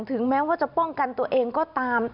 ถึงแม้ว่าจะป้องกันตัวเองก็ตาม